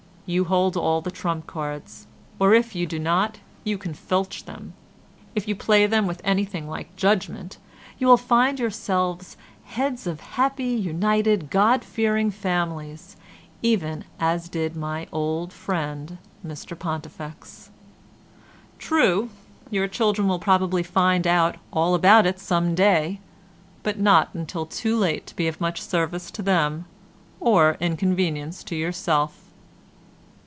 You hold all the trump cards, or if you do not you can filch them; if you play them with anything like judgement you will find yourselves heads of happy, united, God fearing families, even as did my old friend Mr Pontifex. True, your children will probably find out all about it some day, but not until too late to be of much service to them or inconvenience to yourself.